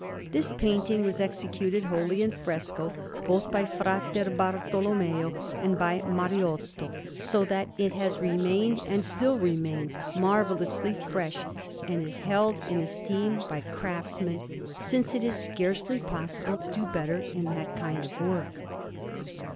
This painting was executed wholly in fresco, both by Fra Bartolommeo and by Mariotto, so that it has remained, and still remains, marvellously fresh, and is held in esteem by craftsmen, since it is scarcely possible to do better in that kind of work.